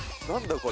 これ。